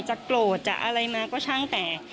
โกรธจะอะไรมาก็ช่างแต่